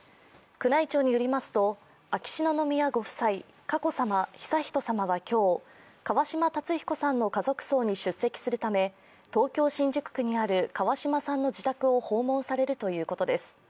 宮内庁によりますと、秋篠宮ご夫妻佳子さま、悠仁さまは今日川嶋辰彦さんの家族葬に出席するため東京・新宿区にある川嶋さんの自宅を訪問されるということです。